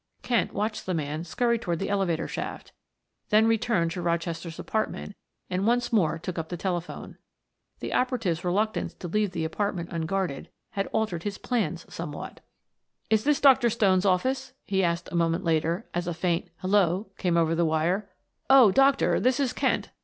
Kent watched the man scurry toward the elevator shaft, then returned to Rochester's apartment and once more took up the telephone. The operative's reluctance to leave the apartment unguarded had altered his plans somewhat. "Is this Dr. Stone's office?" he asked a moment later, as a faint "hello," came over the wire. "Oh, doctor, this is Kent.